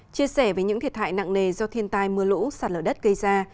chia sẻ về những thiệt hại nặng nề do thiên tai mưa lũ sạt lở đất gây ra